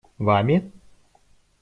Вами?